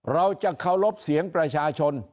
เราจะเคารพเสียงประชาชน